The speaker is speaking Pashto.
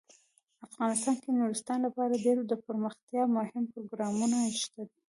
افغانستان کې د نورستان لپاره ډیر دپرمختیا مهم پروګرامونه شته دي.